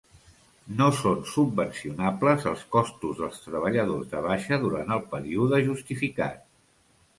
No són subvencionables els costos dels treballadors de baixa durant el període justificat.